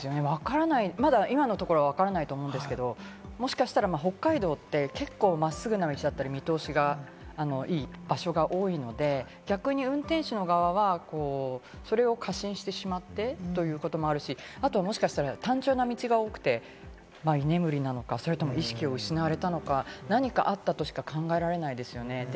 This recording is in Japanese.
今のところはわからないと思うんですけれど、もしかしたら北海道って結構真っすぐな道だったり、見通しがいい場所が多いので、逆に運転手の側はそれを過信してしまってということもあるし、もしかしたら単調な道が多くて、居眠りなのか、それとも意識を失われたのか、何かあったとしか考えられないですよね。